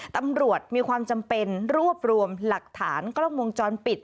ตำรวจมีความจำเป็นรวบรวมหลักฐานกล้องวงจรปิด